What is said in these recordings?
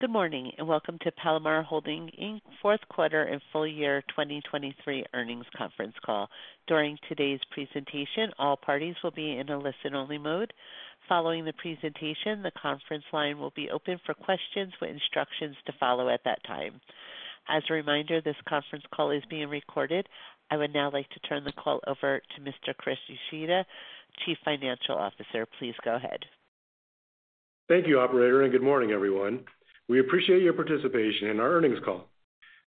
Good morning and welcome to Palomar Holdings, Inc., Fourth Quarter and Full Year 2023 Earnings Conference Call. During today's presentation, all parties will be in a listen-only mode. Following the presentation, the conference line will be open for questions with instructions to follow at that time. As a reminder, this conference call is being recorded. I would now like to turn the call over to Mr. Chris Uchida, Chief Financial Officer. Please go ahead. Thank you, Operator, and good morning, everyone. We appreciate your participation in our earnings call.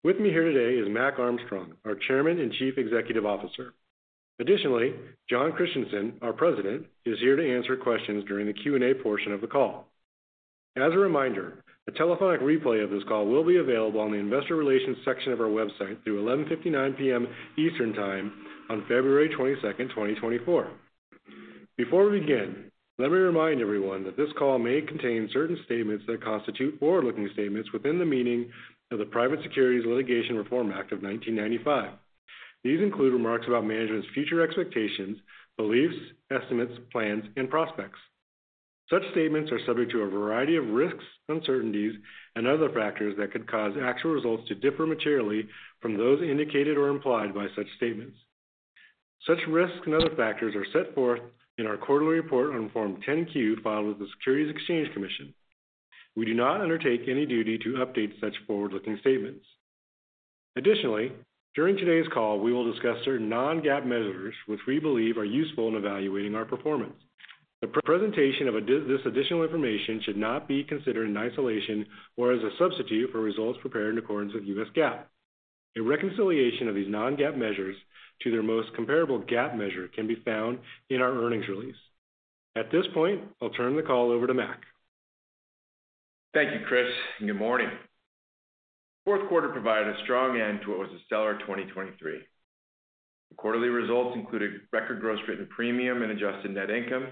With me here today is Mac Armstrong, our Chairman and Chief Executive Officer. Additionally, Jon Christianson, our President, is here to answer questions during the Q&A portion of the call. As a reminder, a telephonic replay of this call will be available on the Investor Relations section of our website through 11:59 P.M. Eastern Time on February 22nd, 2024. Before we begin, let me remind everyone that this call may contain certain statements that constitute forward-looking statements within the meaning of the Private Securities Litigation Reform Act of 1995. These include remarks about management's future expectations, beliefs, estimates, plans, and prospects. Such statements are subject to a variety of risks, uncertainties, and other factors that could cause actual results to differ materially from those indicated or implied by such statements. Such risks and other factors are set forth in our quarterly report on Form 10-Q filed with the Securities and Exchange Commission. We do not undertake any duty to update such forward-looking statements. Additionally, during today's call, we will discuss certain non-GAAP measures which we believe are useful in evaluating our performance. The presentation of this additional information should not be considered in isolation or as a substitute for results prepared in accordance with U.S. GAAP. A reconciliation of these non-GAAP measures to their most comparable GAAP measure can be found in our earnings release. At this point, I'll turn the call over to Mac. Thank you, Chris. Good morning. Fourth quarter provided a strong end to what was a stellar 2023. The quarterly results included record gross written premium and Adjusted Net Income.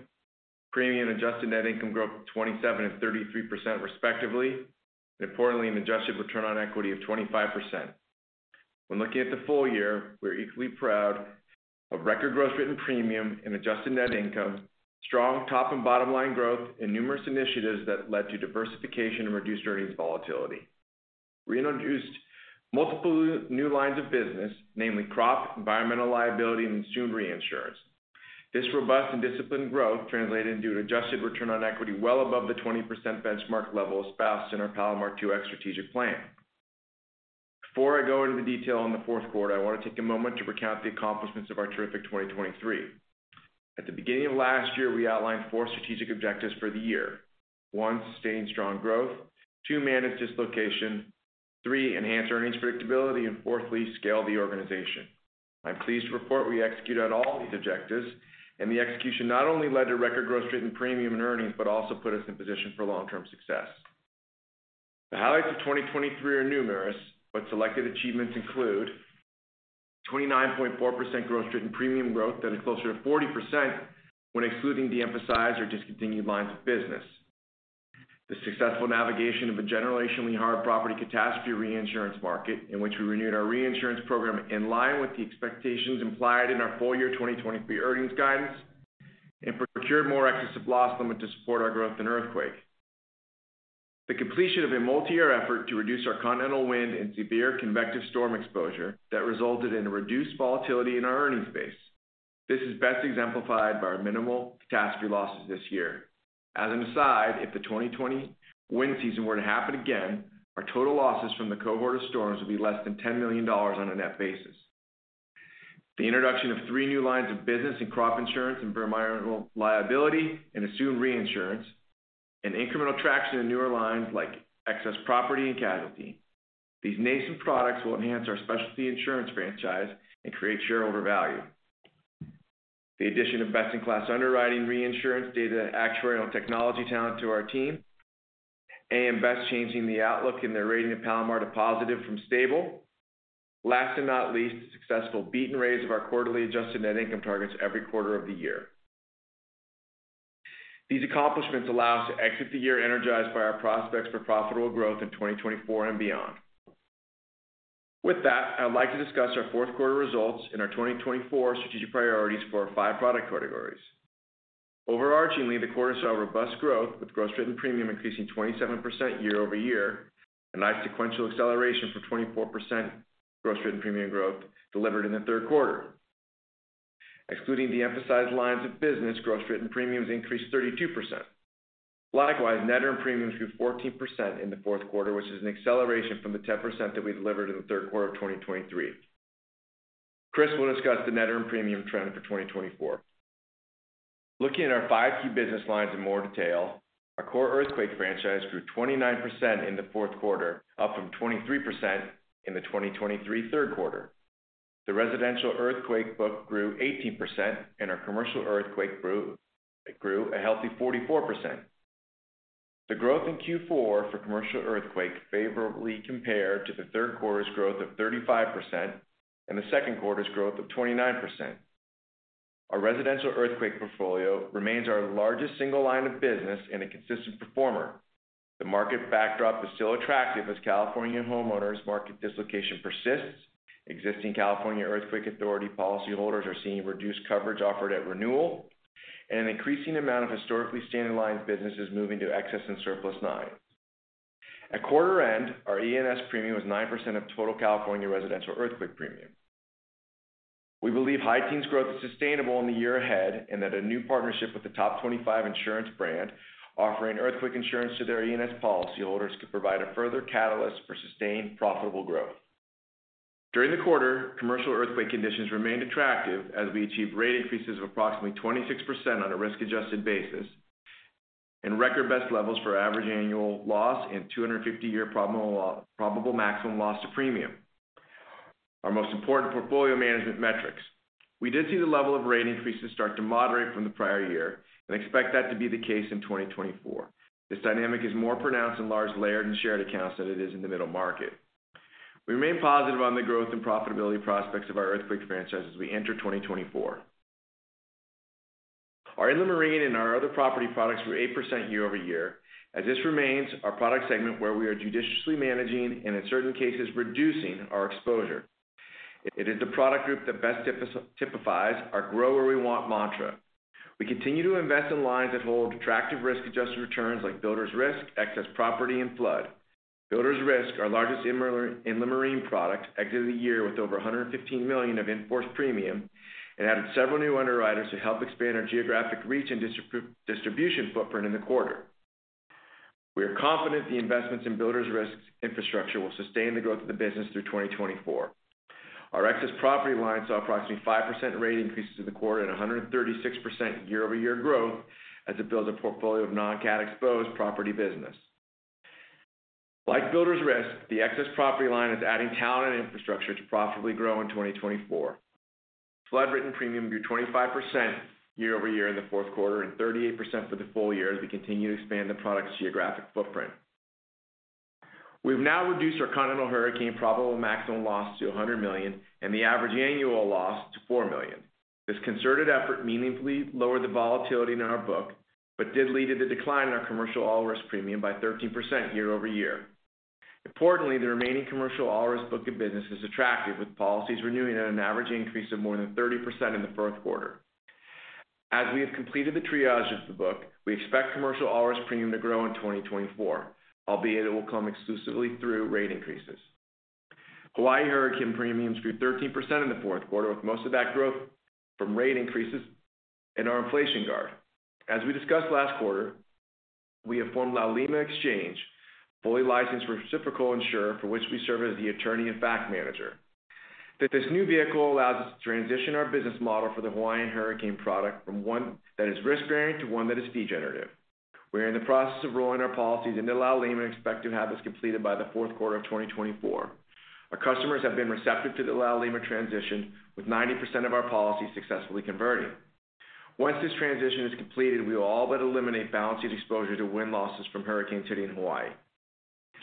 Premium and Adjusted Net Income grew up 27% and 33%, respectively, and importantly, an adjusted return on equity of 25%. When looking at the full year, we're equally proud of record gross written premium and Adjusted Net Income, strong top and bottom line growth, and numerous initiatives that led to diversification and reduced earnings volatility. We introduced multiple new lines of business, namely crop, environmental liability, and assumed reinsurance. This robust and disciplined growth translated into an adjusted return on equity well above the 20% benchmark level espoused in our Palomar 2X strategic plan. Before I go into the detail on the fourth quarter, I want to take a moment to recount the accomplishments of our terrific 2023. At the beginning of last year, we outlined four strategic objectives for the year: one, sustain strong growth, two, manage dislocation, three, enhance earnings predictability, and fourthly, scale the organization. I'm pleased to report we executed on all these objectives, and the execution not only led to record Gross Written Premium and earnings but also put us in position for long-term success. The highlights of 2023 are numerous, but selected achievements include 29.4% gross written premium growth that is closer to 40% when excluding de-emphasized or discontinued lines of business, the successful navigation of a generationally hard property catastrophe reinsurance market in which we renewed our reinsurance program in line with the expectations implied in our full year 2023 earnings guidance, and procured more excess loss limit to support our growth in earthquake, the completion of a multi-year effort to reduce our continental wind and severe convective storm exposure that resulted in reduced volatility in our earnings base. This is best exemplified by our minimal catastrophe losses this year. As an aside, if the 2020 wind season were to happen again, our total losses from the cohort of storms would be less than $10 million on a net basis. The introduction of three new lines of business in Crop Insurance and Environmental Liability and assumed reinsurance, and incremental traction in newer lines like Excess Property and Casualty, these nascent products will enhance our specialty insurance franchise and create shareholder value. The addition of best-in-class underwriting, reinsurance, data, actuarial, technology, and talent to our team, and A.M. Best changing the outlook in their rating of Palomar to positive from stable. Last but not least, the successful beat and raise of our quarterly Adjusted Net Income targets every quarter of the year. These accomplishments allow us to exit the year energized by our prospects for profitable growth in 2024 and beyond. With that, I'd like to discuss our fourth quarter results and our 2024 strategic priorities for our five product categories. Overarchingly, the quarters saw robust growth with gross written premium increasing 27% year-over-year, a nice sequential acceleration from 24% gross written premium growth delivered in the third quarter. Excluding de-emphasized lines of business, gross written premiums increased 32%. Likewise, net earned premiums grew 14% in the fourth quarter, which is an acceleration from the 10% that we delivered in the third quarter of 2023. Chris will discuss the net earned premium trend for 2024. Looking at our five key business lines in more detail, our core earthquake franchise grew 29% in the fourth quarter, up from 23% in the 2023 third quarter. The residential earthquake book grew 18%, and our commercial earthquake grew a healthy 44%. The growth in Q4 for commercial earthquake favorably compared to the third quarter's growth of 35% and the second quarter's growth of 29%. Our residential earthquake portfolio remains our largest single line of business and a consistent performer. The market backdrop is still attractive as California homeowners' market dislocation persists. Existing California Earthquake Authority policyholders are seeing reduced coverage offered at renewal and an increasing amount of historically standard lines businesses moving to excess and surplus lines. At quarter end, our E&S premium was 9% of total California residential earthquake premium. We believe E&S's growth is sustainable in the year ahead and that a new partnership with the top 25 insurance brand offering earthquake insurance to their E&S policyholders could provide a further catalyst for sustained profitable growth. During the quarter, commercial earthquake conditions remained attractive as we achieved rate increases of approximately 26% on a risk-adjusted basis and record best levels for average annual loss and 250-year probable maximum loss to premium. Our most important portfolio management metrics, we did see the level of rate increases start to moderate from the prior year and expect that to be the case in 2024. This dynamic is more pronounced in large layered and shared accounts than it is in the middle market. We remain positive on the growth and profitability prospects of our earthquake franchise as we enter 2024. Our Inland Marine and our Other Property products grew 8% year-over-year. As this remains, our product segment where we are judiciously managing and in certain cases reducing our exposure. It is the product group that best typifies our "Grow where we want" mantra. We continue to invest in lines that hold attractive risk-adjusted returns like Builders Risk, Excess Property, and Flood. Builders Risk, our largest inland marine product, exited the year with over $115 million in in-force premium and added several new underwriters to help expand our geographic reach and distribution footprint in the quarter. We are confident the investments in Builders Risk's infrastructure will sustain the growth of the business through 2024. Our Excess Property line saw approximately 5% rate increases in the quarter and 136% year-over-year growth as it builds a portfolio of non-cat-exposed property business. Like Builders Risk, the Excess Property line is adding talent and infrastructure to profitably grow in 2024. Flood written premium grew 25% year-over-year in the fourth quarter and 38% for the full year as we continue to expand the product's geographic footprint. We have now reduced our continental hurricane probable maximum loss to $100 million and the average annual loss to $4 million. This concerted effort meaningfully lowered the volatility in our book but did lead to the decline in our Commercial All-Risk premium by 13% year-over-year. Importantly, the remaining Commercial All-Risk book of business is attractive with policies renewing at an average increase of more than 30% in the fourth quarter. As we have completed the triage of the book, we expect Commercial All-Risk premium to grow in 2024, albeit it will come exclusively through rate increases. Hawaii Hurricane premiums grew 13% in the fourth quarter, with most of that growth from rate increases and our inflation guard. As we discussed last quarter, we have formed Laulima Exchange, fully licensed reciprocal insurer for which we serve as the attorney-in-fact manager. This new vehicle allows us to transition our business model for the Hawaiian Hurricane product from one that is risk-bearing to one that is fee-generative. We are in the process of rolling our policies into Laulima and expect to have this completed by the fourth quarter of 2024. Our customers have been receptive to the Laulima transition, with 90% of our policies successfully converting. Once this transition is completed, we will all but eliminate balance sheet exposure to wind losses from Hurricane Iniki in Hawaii.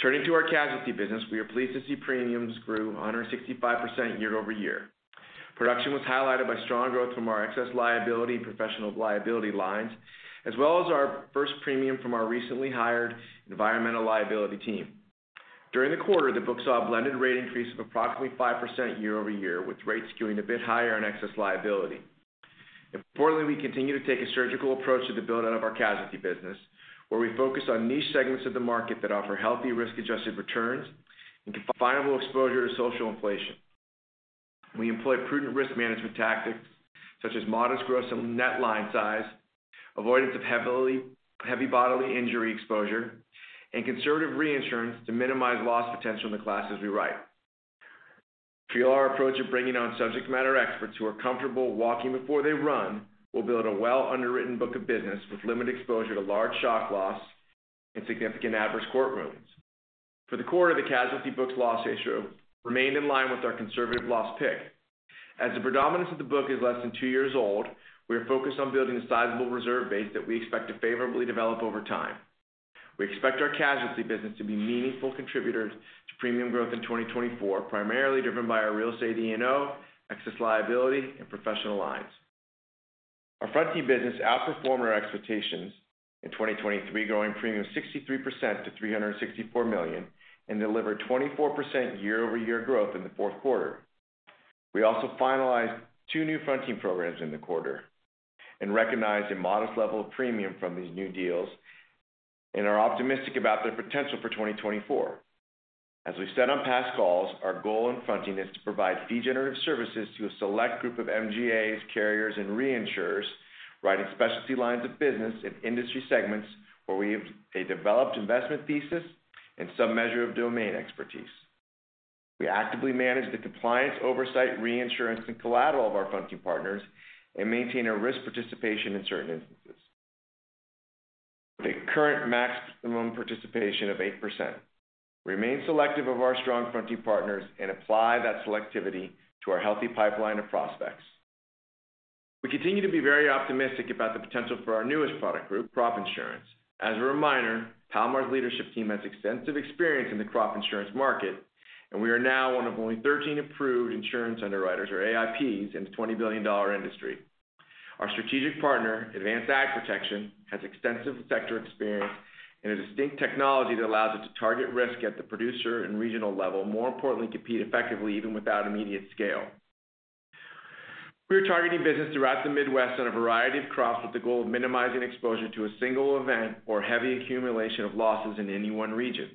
Turning to our casualty business, we are pleased to see premiums grew 165% year-over-year. Production was highlighted by strong growth from our Excess Liability and Professional Liability lines, as well as our first premium from our recently hired Environmental Liability team. During the quarter, the book saw a blended rate increase of approximately 5% year-over-year, with rates skewing a bit higher on Excess Liability. Importantly, we continue to take a surgical approach to the build-out of our casualty business, where we focus on niche segments of the market that offer healthy risk-adjusted returns and controllable exposure to social inflation. We employ prudent risk management tactics such as modest growth in net line size, avoidance of heavy bodily injury exposure, and conservative reinsurance to minimize loss potential in the classes we write. We feel our approach of bringing on subject matter experts who are comfortable walking before they run will build a well-underwritten book of business with limited exposure to large shock loss and significant adverse development. For the quarter, the casualty book's loss ratio remained in line with our conservative loss pick. As the predominance of the book is less than two years old, we are focused on building a sizable reserve base that we expect to favorably develop over time. We expect our casualty business to be meaningful contributors to premium growth in 2024, primarily driven by our real estate E&O, excess liability, and professional lines. Our fronting business outperformed our expectations in 2023, growing premium 63% to $364 million and delivered 24% year-over-year growth in the fourth quarter. We also finalized two new fronting programs in the quarter and recognized a modest level of premium from these new deals and are optimistic about their potential for 2024. As we've said on past calls, our goal in fronting is to provide fronting services to a select group of MGAs, carriers, and reinsurers writing specialty lines of business in industry segments where we have a developed investment thesis and some measure of domain expertise. We actively manage the compliance, oversight, reinsurance, and collateral of our fronting partners and maintain our risk participation in certain instances. The current maximum participation of 8%. Remain selective of our strong fronting team partners and apply that selectivity to our healthy pipeline of prospects. We continue to be very optimistic about the potential for our newest product group, crop insurance. As a reminder, Palomar's leadership team has extensive experience in the crop insurance market, and we are now one of only 13 approved insurance underwriters, or AIPs, in the $20 billion industry. Our strategic partner, Advanced AgProtection, has extensive sector experience and a distinct technology that allows it to target risk at the producer and regional level, more importantly, compete effectively even without immediate scale. We are targeting business throughout the Midwest on a variety of crops with the goal of minimizing exposure to a single event or heavy accumulation of losses in any one region.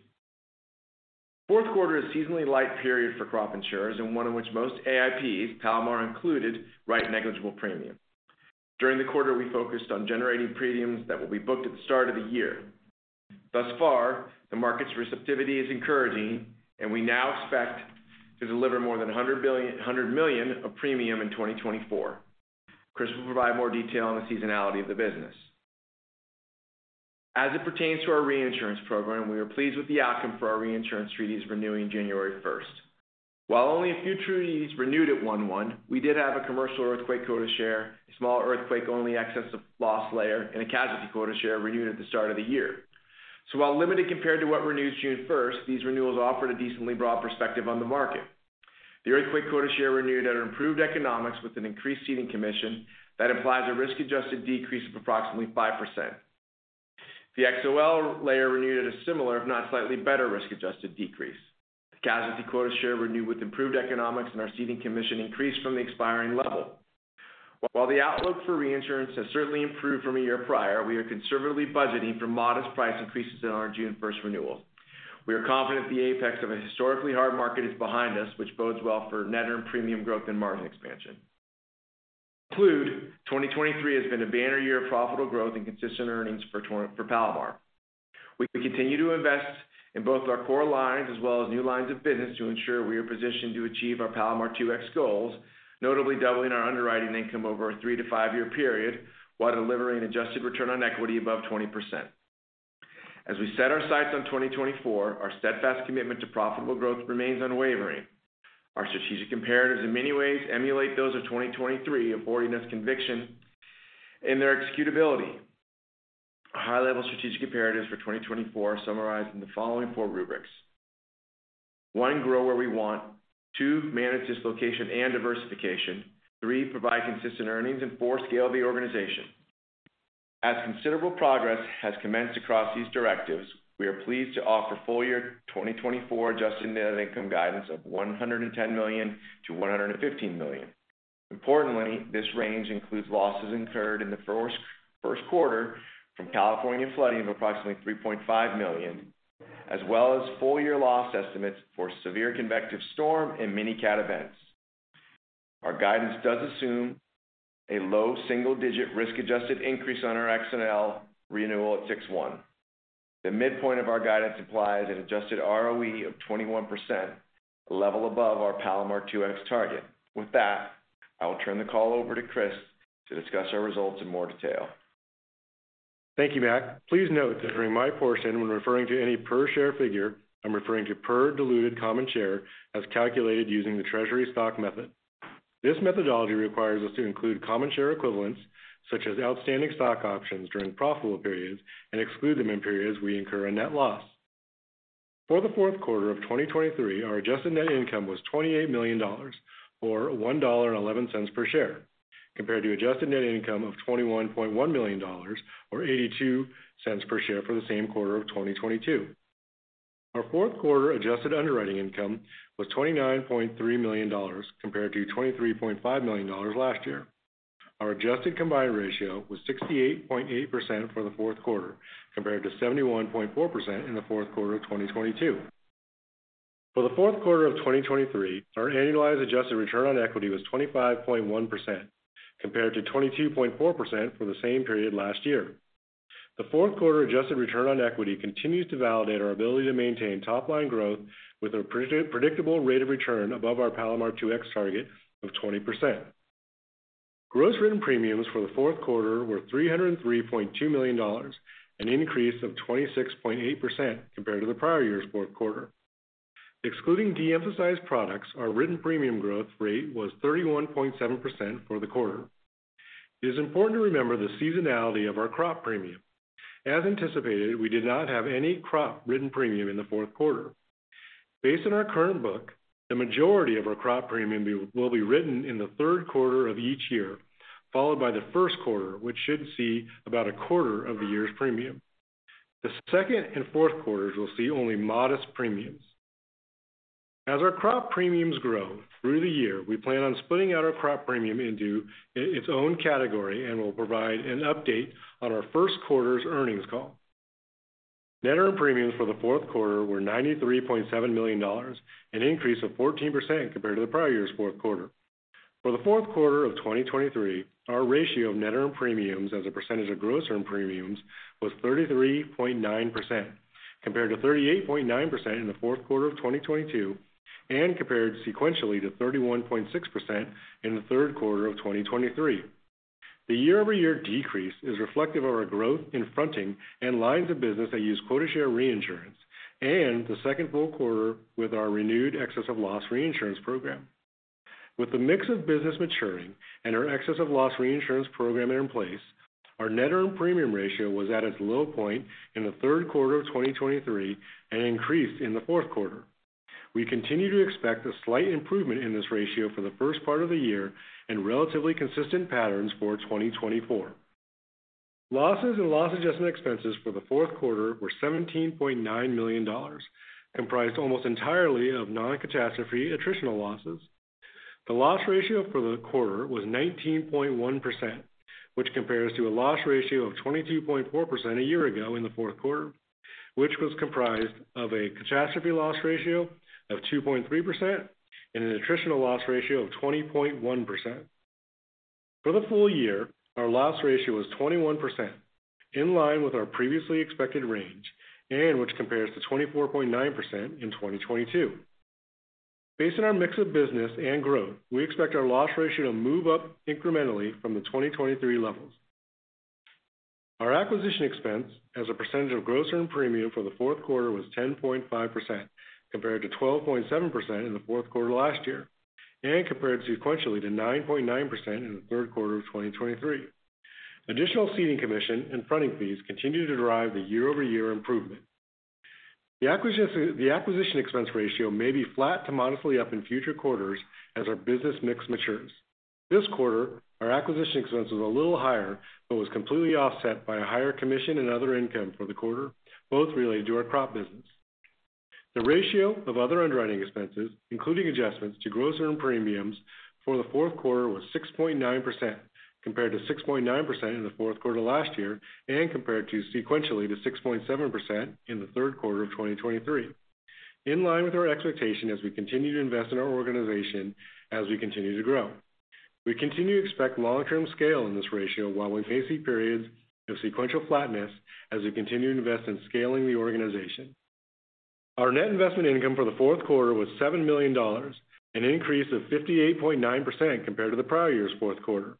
Fourth quarter is a seasonally light period for crop insurers and one in which most AIPs, Palomar included, write negligible premium. During the quarter, we focused on generating premiums that will be booked at the start of the year. Thus far, the market's receptivity is encouraging, and we now expect to deliver more than $100 million of premium in 2024. Chris will provide more detail on the seasonality of the business. As it pertains to our reinsurance program, we are pleased with the outcome for our reinsurance treaties renewing January 1st. While only a few treaties renewed at January 1, we did have a commercial earthquake quota share, a small earthquake-only excess loss layer, and a casualty quota share renewed at the start of the year. So while limited compared to what renews June 1st, these renewals offered a decently broad perspective on the market. The earthquake quota share renewed at an improved economics with an increased ceding commission that implies a risk-adjusted decrease of approximately 5%. The XOL layer renewed at a similar, if not slightly better, risk-adjusted decrease. The casualty quota share renewed with improved economics and our ceding commission increased from the expiring level. While the outlook for reinsurance has certainly improved from a year prior, we are conservatively budgeting for modest price increases in our June 1st renewals. We are confident the apex of a historically hard market is behind us, which bodes well for net earned premium growth and margin expansion. Conclude, 2023 has been a banner year of profitable growth and consistent earnings for Palomar. We continue to invest in both our core lines as well as new lines of business to ensure we are positioned to achieve our Palomar 2X goals, notably doubling our underwriting income over a three- to five-year period while delivering adjusted return on equity above 20%. As we set our sights on 2024, our steadfast commitment to profitable growth remains unwavering. Our strategic imperatives in many ways emulate those of 2023, affording us conviction in their executability. High-level strategic imperatives for 2024 summarize in the following four rubrics: 1. Grow where we want. 2. Manage dislocation and diversification. 3. Provide consistent earnings. And 4. Scale the organization. As considerable progress has commenced across these directives, we are pleased to offer full-year 2024 Adjusted Net Income guidance of $110 million-$115 million. Importantly, this range includes losses incurred in the first quarter from California flooding of approximately $3.5 million, as well as full-year loss estimates for severe convective storm and mini-cat events. Our guidance does assume a low single-digit risk-adjusted increase on our XOL renewal at 6/1. The midpoint of our guidance implies an adjusted ROE of 21%, a level above our Palomar 2X target. With that, I will turn the call over to Chris to discuss our results in more detail. Thank you, Mac. Please note that during my portion, when referring to any per-share figure, I'm referring to per-diluted common share as calculated using the Treasury stock method. This methodology requires us to include common share equivalents such as outstanding stock options during profitable periods and exclude them in periods we incur a net loss. For the fourth quarter of 2023, our Adjusted Net Income was $28 million or $1.11 per share compared to Adjusted Net Income of $21.1 million or $0.82 per share for the same quarter of 2022. Our fourth quarter adjusted underwriting income was $29.3 million compared to $23.5 million last year. Our adjusted combined ratio was 68.8% for the fourth quarter compared to 71.4% in the fourth quarter of 2022. For the fourth quarter of 2023, our annualized adjusted return on equity was 25.1% compared to 22.4% for the same period last year. The fourth quarter adjusted return on equity continues to validate our ability to maintain top-line growth with a predictable rate of return above our Palomar 2X target of 20%. Gross written premiums for the fourth quarter were $303.2 million, an increase of 26.8% compared to the prior year's fourth quarter. Excluding de-emphasized products, our written premium growth rate was 31.7% for the quarter. It is important to remember the seasonality of our crop premium. As anticipated, we did not have any crop written premium in the fourth quarter. Based on our current book, the majority of our crop premium will be written in the third quarter of each year, followed by the first quarter, which should see about a quarter of the year's premium. The second and fourth quarters will see only modest premiums. As our crop premiums grow through the year, we plan on splitting out our crop premium into its own category and will provide an update on our first quarter's earnings call. Net earned premiums for the fourth quarter were $93.7 million, an increase of 14% compared to the prior year's fourth quarter. For the fourth quarter of 2023, our ratio of net earned premiums as a percentage of gross earned premiums was 33.9% compared to 38.9% in the fourth quarter of 2022 and compared sequentially to 31.6% in the third quarter of 2023. The year-over-year decrease is reflective of our growth in fronting and lines of business that use quota share reinsurance and the second full quarter with our renewed excess loss reinsurance program. With the mix of business maturing and our excess loss reinsurance program in place, our net earned premium ratio was at its low point in the third quarter of 2023 and increased in the fourth quarter. We continue to expect a slight improvement in this ratio for the first part of the year and relatively consistent patterns for 2024. Losses and loss adjustment expenses for the fourth quarter were $17.9 million, comprised almost entirely of non-catastrophe attritional losses. The loss ratio for the quarter was 19.1%, which compares to a loss ratio of 22.4% a year ago in the fourth quarter, which was comprised of a catastrophe loss ratio of 2.3% and an attritional loss ratio of 20.1%. For the full year, our loss ratio was 21%, in line with our previously expected range and which compares to 24.9% in 2022. Based on our mix of business and growth, we expect our loss ratio to move up incrementally from the 2023 levels. Our acquisition expense as a percentage of gross earned premium for the fourth quarter was 10.5% compared to 12.7% in the fourth quarter last year and compared sequentially to 9.9% in the third quarter of 2023. Additional ceding commission and fronting fees continue to drive the year-over-year improvement. The acquisition expense ratio may be flat to modestly up in future quarters as our business mix matures. This quarter, our acquisition expense was a little higher but was completely offset by a higher commission and other income for the quarter, both related to our crop business. The ratio of other underwriting expenses, including adjustments to gross earned premiums for the fourth quarter, was 6.9% compared to 6.9% in the fourth quarter last year and compared sequentially to 6.7% in the third quarter of 2023, in line with our expectation as we continue to invest in our organization as we continue to grow. We continue to expect long-term scale in this ratio while we face periods of sequential flatness as we continue to invest in scaling the organization. Our net investment income for the fourth quarter was $7 million, an increase of 58.9% compared to the prior year's fourth quarter.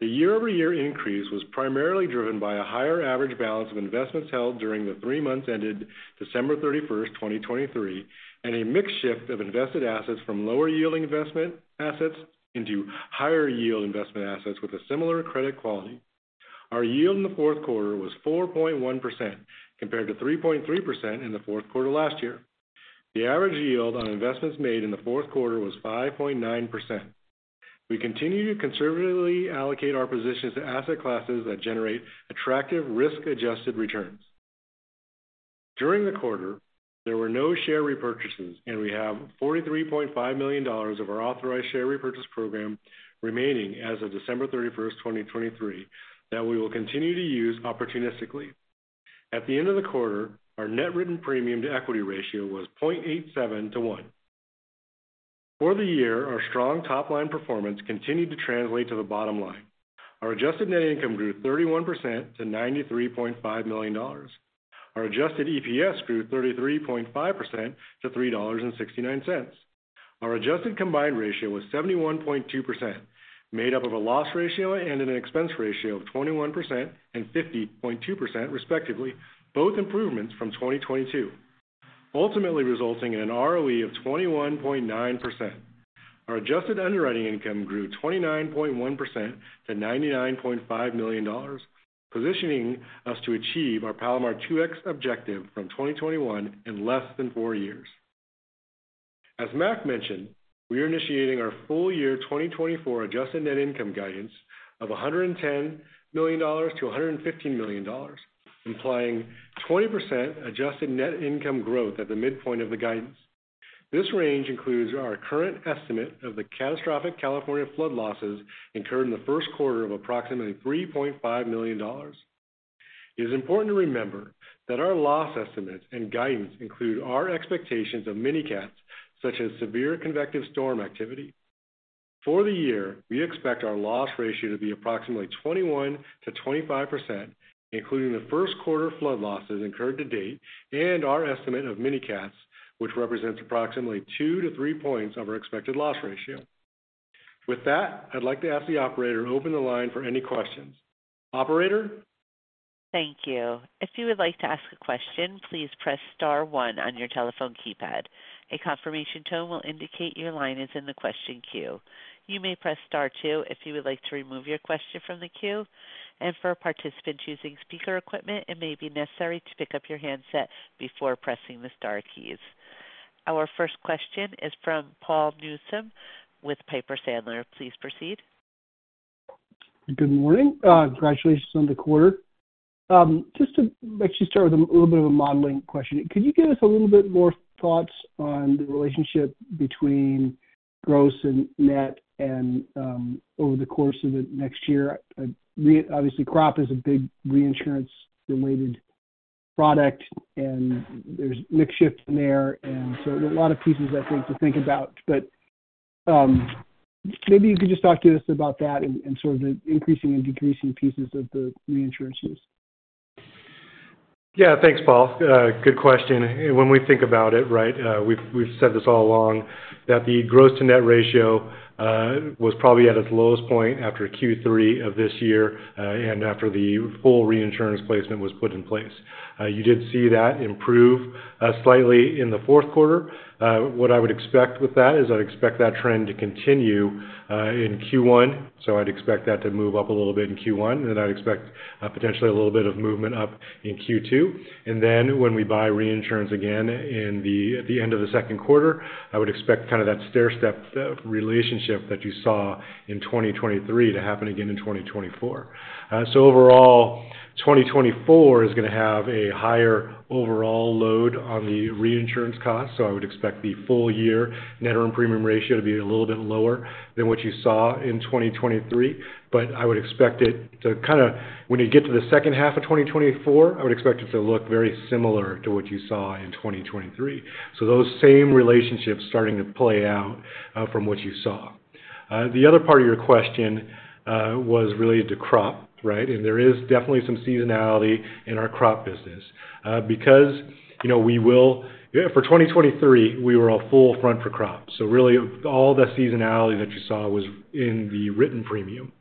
The year-over-year increase was primarily driven by a higher average balance of investments held during the three months ended December 31st, 2023, and a mixed shift of invested assets from lower-yielding investment assets into higher-yield investment assets with a similar credit quality. Our yield in the fourth quarter was 4.1% compared to 3.3% in the fourth quarter last year. The average yield on investments made in the fourth quarter was 5.9%. We continue to conservatively allocate our positions to asset classes that generate attractive risk-adjusted returns. During the quarter, there were no share repurchases, and we have $43.5 million of our authorized share repurchase program remaining as of December 31st, 2023, that we will continue to use opportunistically. At the end of the quarter, our net written premium to equity ratio was 0.87-1. For the year, our strong top-line performance continued to translate to the bottom line. Our Adjusted Net Income grew 31% to $93.5 million. Our adjusted EPS grew 33.5% to $3.69. Our adjusted combined ratio was 71.2%, made up of a loss ratio and an expense ratio of 21% and 50.2%, respectively, both improvements from 2022, ultimately resulting in an ROE of 21.9%. Our adjusted underwriting income grew 29.1% to $99.5 million, positioning us to achieve our Palomar 2X objective from 2021 in less than four years. As Mac mentioned, we are initiating our full-year 2024 Adjusted Net Income guidance of $110 million-$115 million, implying 20% Adjusted Net Income growth at the midpoint of the guidance. This range includes our current estimate of the catastrophic California flood losses incurred in the first quarter of approximately $3.5 million. It is important to remember that our loss estimates and guidance include our expectations of mini-cats such as severe convective storm activity. For the year, we expect our loss ratio to be approximately 21%-25%, including the first quarter flood losses incurred to date and our estimate of mini-cats, which represents approximately 2-3 points of our expected loss ratio. With that, I'd like to ask the operator to open the line for any questions. Operator? Thank you. If you would like to ask a question, please press star one on your telephone keypad. A confirmation tone will indicate your line is in the question queue. You may press star two if you would like to remove your question from the queue. For participants using speaker equipment, it may be necessary to pick up your handset before pressing the star keys. Our first question is from Paul Newsome with Piper Sandler. Please proceed. Good morning. Congratulations on the quarter. Just to actually start with a little bit of a modeling question, could you give us a little bit more thoughts on the relationship between gross and net over the course of the next year? Obviously, crop is a big reinsurance-related product, and there's a mixed shift in there. And so a lot of pieces, I think, to think about. But maybe you could just talk to us about that and sort of the increasing and decreasing pieces of the reinsurance use. Yeah, thanks, Paul. Good question. And when we think about it, right, we've said this all along, that the gross-to-net ratio was probably at its lowest point after Q3 of this year and after the full reinsurance placement was put in place. You did see that improve slightly in the fourth quarter. What I would expect with that is I'd expect that trend to continue in Q1. So I'd expect that to move up a little bit in Q1, and then I'd expect potentially a little bit of movement up in Q2. And then when we buy reinsurance again at the end of the second quarter, I would expect kind of that stair-step relationship that you saw in 2023 to happen again in 2024. So overall, 2024 is going to have a higher overall load on the reinsurance cost. So I would expect the full-year net earned premium ratio to be a little bit lower than what you saw in 2023. But I would expect it to kind of, when you get to the second half of 2024, I would expect it to look very similar to what you saw in 2023. So those same relationships starting to play out from what you saw. The other part of your question was related to crop, right? And there is definitely some seasonality in our crop business because we will for 2023, we were all full-front for crop. So really, all the seasonality that you saw was in the written premium.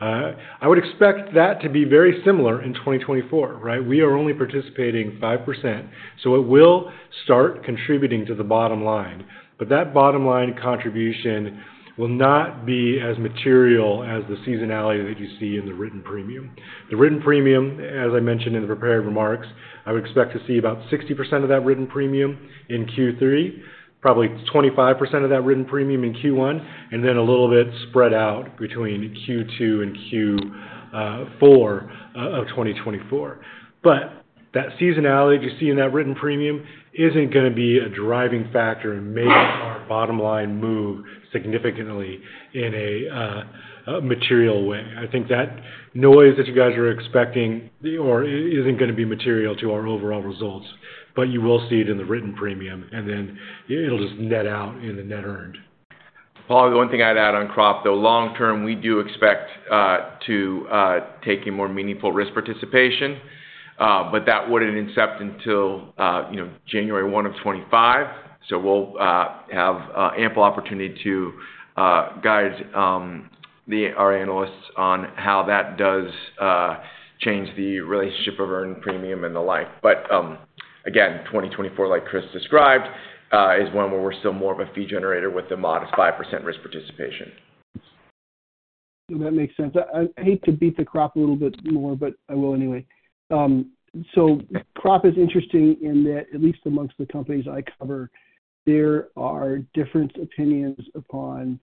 I would expect that to be very similar in 2024, right? We are only participating 5%. So it will start contributing to the bottom line. But that bottom line contribution will not be as material as the seasonality that you see in the written premium. The written premium, as I mentioned in the prepared remarks, I would expect to see about 60% of that written premium in Q3, probably 25% of that written premium in Q1, and then a little bit spread out between Q2 and Q4 of 2024. But that seasonality that you see in that written premium isn't going to be a driving factor in making our bottom line move significantly in a material way. I think that noise that you guys are expecting isn't going to be material to our overall results. But you will see it in the written premium, and then it'll just net out in the net earned. Paul, the one thing I'd add on crop, though, long term, we do expect to take in more meaningful risk participation. But that wouldn't incept until January 1, 2025. So we'll have ample opportunity to guide our analysts on how that does change the relationship of earned premium and the like. But again, 2024, like Chris described, is one where we're still more of a fee generator with a modest 5% risk participation. That makes sense. I hate to beat the crop a little bit more, but I will anyway. So crop is interesting in that, at least amongst the companies I cover, there are different opinions upon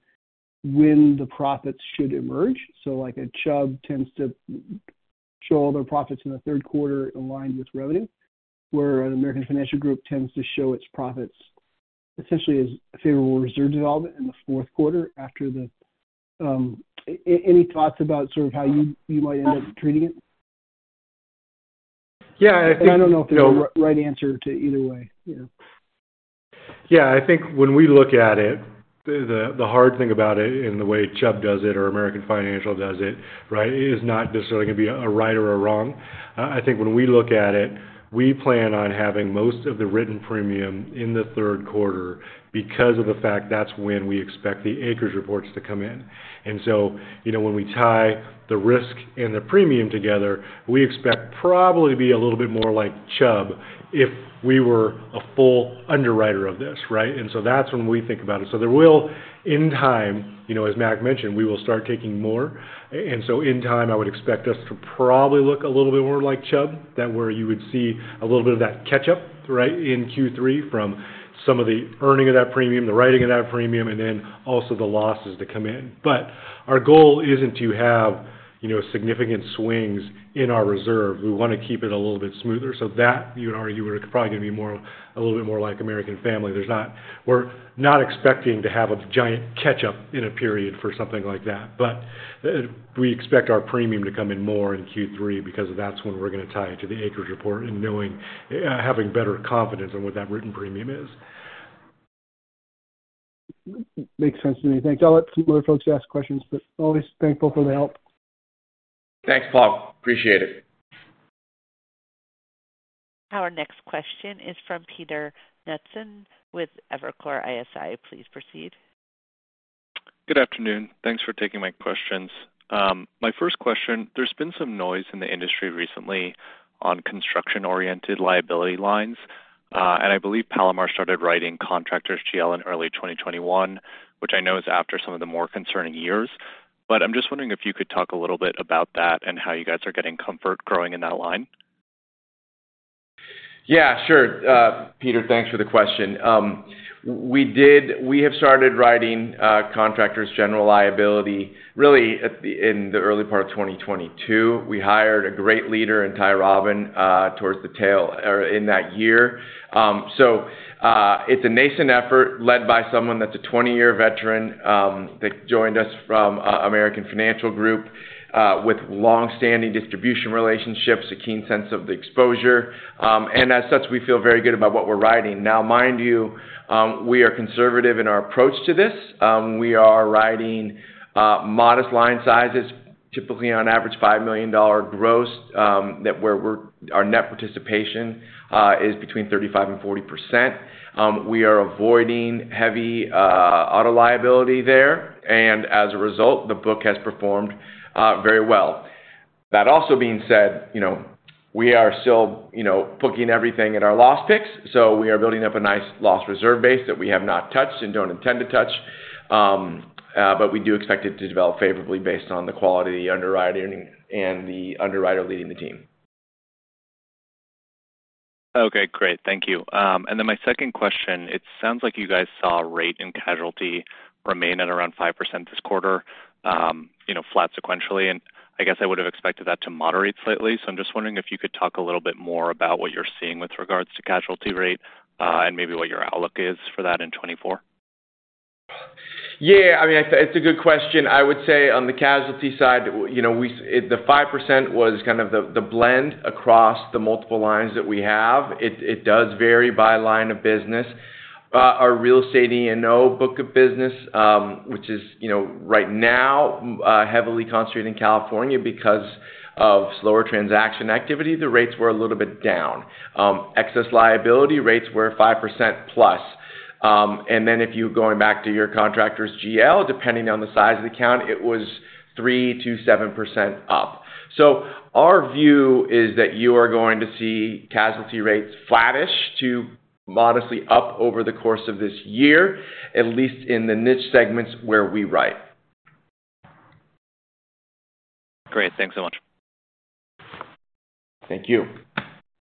when the profits should emerge. So a Chubb tends to show all their profits in the third quarter aligned with revenue, where an American Financial Group tends to show its profits essentially as favorable reserve development in the fourth quarter after the any thoughts about sort of how you might end up treating it? Yeah, I think. I don't know if there's a right answer to either way. Yeah, I think when we look at it, the hard thing about it in the way Chubb does it or American Financial does it, right, is not necessarily going to be a right or a wrong. I think when we look at it, we plan on having most of the written premium in the third quarter because of the fact that's when we expect the acreage reports to come in. And so when we tie the risk and the premium together, we expect probably to be a little bit more like Chubb if we were a full underwriter of this, right? And so that's when we think about it. So there will, in time, as Mac mentioned, we will start taking more. In time, I would expect us to probably look a little bit more like Chubb, where you would see a little bit of that catch-up, right, in Q3 from some of the earning of that premium, the writing of that premium, and then also the losses to come in. But our goal isn't to have significant swings in our reserve. We want to keep it a little bit smoother. So that, you would argue, would probably be a little bit more like American Family. We're not expecting to have a giant catch-up in a period for something like that. But we expect our premium to come in more in Q3 because that's when we're going to tie it to the acreage report and having better confidence on what that written premium is. Makes sense to me. Thanks. I'll let some other folks ask questions, but always thankful for the help. Thanks, Paul. Appreciate it. Our next question is from Peter Knutson with Evercore ISI. Please proceed. Good afternoon. Thanks for taking my questions. My first question, there's been some noise in the industry recently on construction-oriented liability lines. And I believe Palomar started writing contractors' GL in early 2021, which I know is after some of the more concerning years. But I'm just wondering if you could talk a little bit about that and how you guys are getting comfort growing in that line. Yeah, sure, Peter. Thanks for the question. We have started writing Contractors' General Liability really in the early part of 2022. We hired a great leader in Ty Robben towards the tail in that year. So it's a nascent effort led by someone that's a 20-year veteran that joined us from American Financial Group with longstanding distribution relationships, a keen sense of the exposure. And as such, we feel very good about what we're writing. Now, mind you, we are conservative in our approach to this. We are writing modest line sizes, typically on average $5 million gross, where our net participation is between 35%-40%. We are avoiding heavy auto liability there. And as a result, the book has performed very well. That also being said, we are still booking everything at our loss picks. We are building up a nice loss reserve base that we have not touched and don't intend to touch. We do expect it to develop favorably based on the quality of the underwriter and the underwriter leading the team. Okay, great. Thank you. And then my second question, it sounds like you guys saw rate and casualty remain at around 5% this quarter, flat sequentially. And I guess I would have expected that to moderate slightly. So I'm just wondering if you could talk a little bit more about what you're seeing with regards to casualty rate and maybe what your outlook is for that in 2024. Yeah, I mean, it's a good question. I would say on the casualty side, the 5% was kind of the blend across the multiple lines that we have. It does vary by line of business. Our Real Estate E&O book of business, which is right now heavily concentrated in California because of slower transaction activity, the rates were a little bit down. Excess Liability rates were 5%+. And then if you're going back to your contractors' GL, depending on the size of the account, it was 3%-7% up. So our view is that you are going to see casualty rates flattish to modestly up over the course of this year, at least in the niche segments where we write. Great. Thanks so much. Thank you.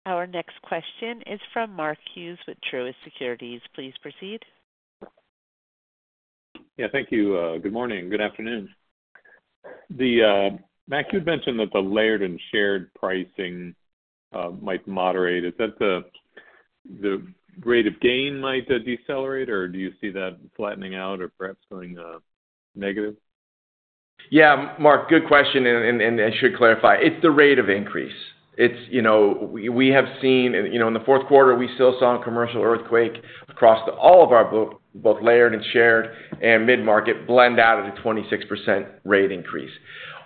Our next question is from Mark Hughes with Truist Securities. Please proceed. Yeah, thank you. Good morning. Good afternoon. Mac, you had mentioned that the layered and shared pricing might moderate. Is that the rate of gain might decelerate, or do you see that flattening out or perhaps going negative? Yeah, Mark, good question. I should clarify, it's the rate of increase. We have seen in the fourth quarter, we still saw a commercial earthquake across all of our book, both layered and shared and mid-market, blend out at a 26% rate increase.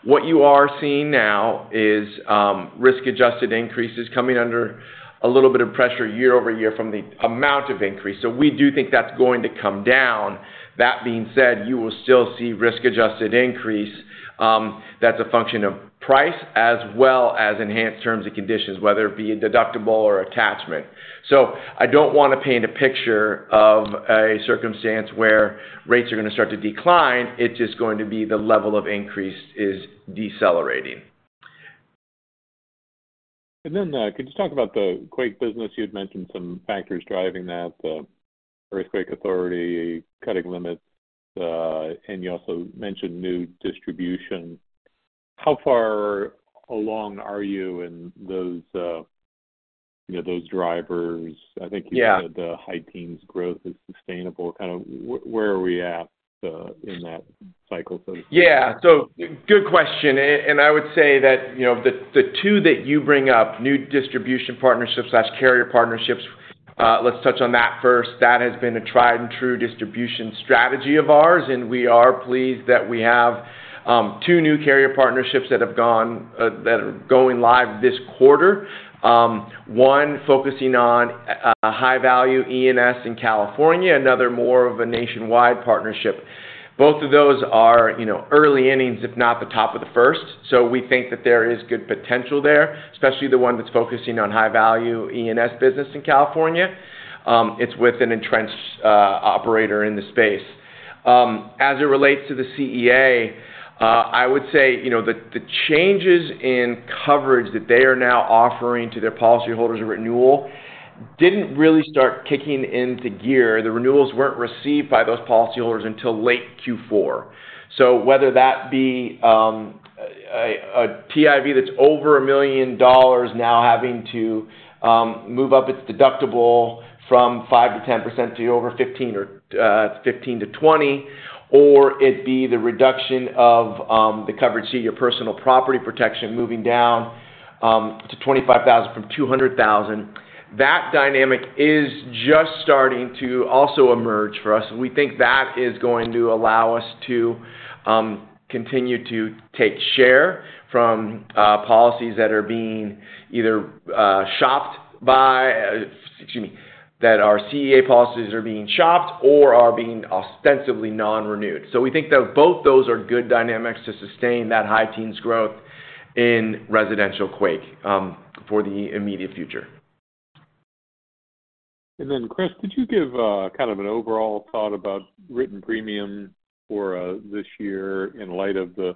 What you are seeing now is risk-adjusted increases coming under a little bit of pressure year-over-year from the amount of increase. We do think that's going to come down. That being said, you will still see risk-adjusted increase. That's a function of price as well as enhanced terms and conditions, whether it be a deductible or attachment. I don't want to paint a picture of a circumstance where rates are going to start to decline. It's just going to be the level of increase is decelerating. Could you talk about the quake business? You had mentioned some factors driving that, the Earthquake Authority cutting limits. You also mentioned new distribution. How far along are you in those drivers? I think you said the high-teens growth is sustainable. Kind of, where are we at in that cycle, so to speak? Yeah, so good question. I would say that the two that you bring up, new distribution partnerships/carrier partnerships, let's touch on that first. That has been a tried-and-true distribution strategy of ours. We are pleased that we have two new carrier partnerships that are going live this quarter, one focusing on high-value E&S in California, another more of a nationwide partnership. Both of those are early innings, if not the top of the first. We think that there is good potential there, especially the one that's focusing on high-value E&S business in California. It's with an entrenched operator in the space. As it relates to the CEA, I would say the changes in coverage that they are now offering to their policyholders of renewal didn't really start kicking into gear. The renewals weren't received by those policyholders until late Q4. So whether that be a TIV that's over $1 million now having to move up its deductible from 5%-10% to over 15% or it's 15%-20%, or it be the reduction of the coverage CEA, your personal property protection, moving down to $25,000 from $200,000, that dynamic is just starting to also emerge for us. And we think that is going to allow us to continue to take share from policies that are being either shopped by excuse me, that our CEA policies are being shopped or are being ostensibly non-renewed. So we think that both those are good dynamics to sustain that high teens growth in residential quake for the immediate future. And then, Chris, could you give kind of an overall thought about written premium for this year in light of the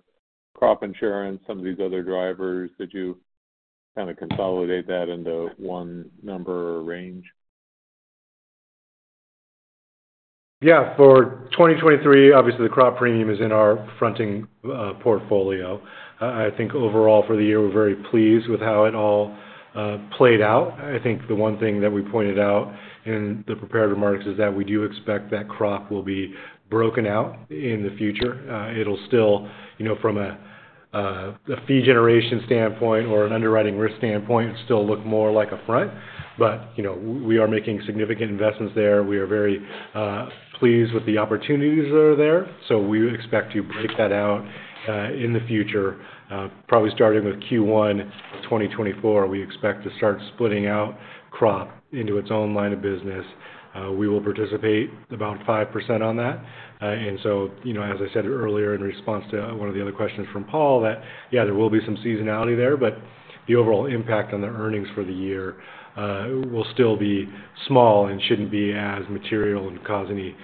crop insurance, some of these other drivers? Did you kind of consolidate that into one number or range? Yeah, for 2023, obviously, the crop premium is in our fronting portfolio. I think overall for the year, we're very pleased with how it all played out. I think the one thing that we pointed out in the prepared remarks is that we do expect that crop will be broken out in the future. It'll still, from a fee generation standpoint or an underwriting risk standpoint, still look more like a front. But we are making significant investments there. We are very pleased with the opportunities that are there. So we expect to break that out in the future, probably starting with Q1 of 2024. We expect to start splitting out crop into its own line of business. We will participate about 5% on that. And so, as I said earlier in response to one of the other questions from Paul, that, yeah, there will be some seasonality there. But the overall impact on the earnings for the year will still be small and shouldn't be as material and cause any